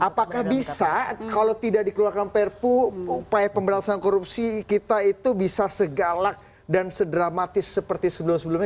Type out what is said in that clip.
apakah bisa kalau tidak dikeluarkan perpu upaya pemberantasan korupsi kita itu bisa segalak dan sedramatis seperti sebelum sebelumnya